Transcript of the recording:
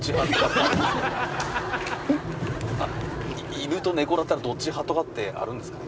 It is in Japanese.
犬と猫だったらどっち派とかってあるんですかね。